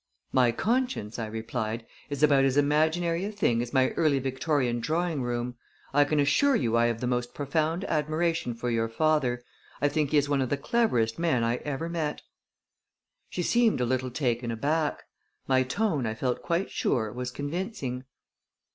"My conscience," I replied, "is about as imaginary a thing as my early Victorian drawing room. I can assure you I have the most profound admiration for your father. I think he is one of the cleverest men I ever met." She seemed a little taken aback. My tone, I felt quite sure, was convincing.